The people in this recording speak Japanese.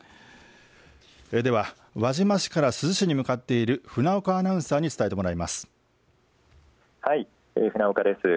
では輪島市から珠洲市に向かっている船岡アナウンサーに伝えてもらいます。